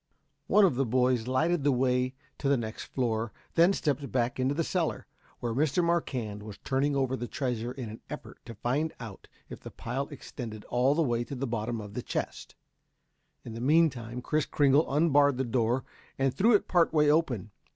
One of the boys lighted the way to the next floor, then stepped back into the cellar, where Mr. Marquand was turning over the treasure in an effort to find out if the pile extended all the way to the bottom of the chest. In the meantime Kris Kringle unbarred the door and threw it part way open.